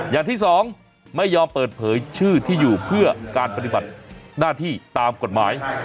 อย่างที่สองไม่ยอมเปิดเผยชื่อที่อยู่เพื่อการปฏิบัติหน้าที่ตามกฎหมาย